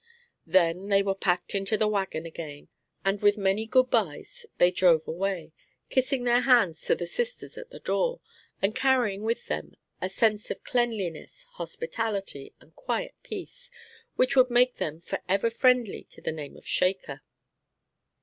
Then they were packed into the wagon again, and with many good bys they drove away, kissing their hands to the sisters at the door, and carrying with them a sense of cleanliness, hospitality, and quiet peace, which would make them for ever friendly to the name of Shaker.